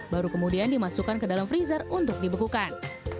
baru kemudian dimasukkan ke dalam freezer untuk dibekukan